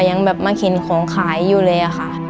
ยังแบบมาเข็นของขายอยู่เลยอะค่ะ